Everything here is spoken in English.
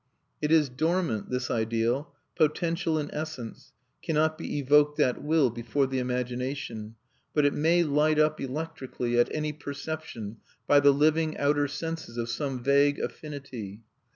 It is dormant, this ideal, potential in essence, cannot be evoked at will before the imagination; but it may light up electrically at any perception by the living outer senses of some vague affinity.